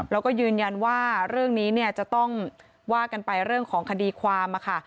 แล้วก็ยืนยันว่าเรื่องนี้เนี่ยจะต้องว่ากันไปเรื่องของคดีความค่ะ